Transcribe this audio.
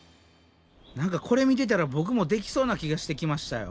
何かこれ見てたらボクもできそうな気がしてきましたよ。